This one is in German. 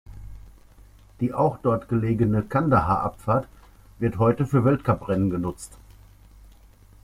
Die auch dort gelegene Kandahar-Abfahrt wird heute für Weltcuprennen genutzt.